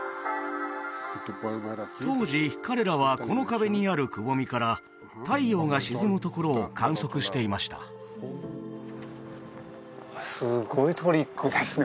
当時彼らはこの壁にあるくぼみから太陽が沈むところを観測していましたすごいトリックですね